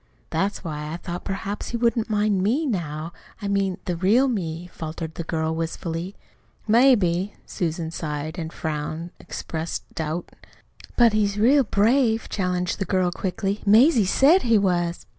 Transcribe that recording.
"That's why I thought perhaps he wouldn't mind ME now I mean the real me," faltered the girl wistfully. "Maybe." Susan's sigh and frown expressed doubt. "But he's real brave," challenged the girl quickly. "Mazie SAID he was."